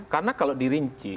karena kalau dirinci